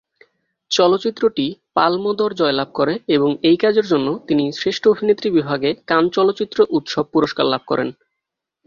চলচ্চিত্রটি পাল্ম দর জয়লাভ করে এবং এই কাজের জন্য তিনি শ্রেষ্ঠ অভিনেত্রী বিভাগে কান চলচ্চিত্র উৎসব পুরস্কার লাভ করেন।